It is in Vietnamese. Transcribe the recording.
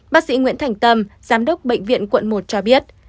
bác sĩ nguyễn thành tâm giám đốc bệnh viện quận một cho biết